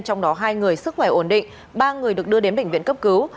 trong đó hai người sức khỏe ổn định ba người được đưa đến bệnh viện cấp cứu